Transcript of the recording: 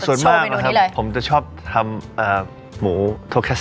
ส่วนมากผมชอบจะทำถ